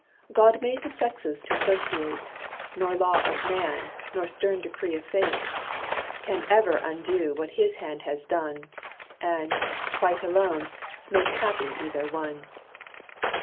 God made the sexes to associate: Nor law of man, nor stern decree of Fate, Can ever undo what His hand has done, And, quite alone, make happy either one.